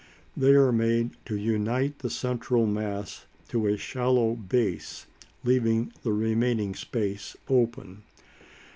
They are made to unite the central mass to a shallow base, leaving the remaining space open.